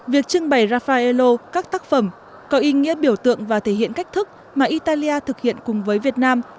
việc trưng bày rafah elo các tác phẩm có ý nghĩa biểu tượng và thể hiện cách thức mà italia thực hiện cùng với việt nam